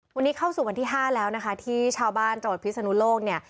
วันนี้เข้าสู่วันที่ห้าแล้วนะคะที่ชาวบ้านจังหวัดพิศนุโลกเนี่ย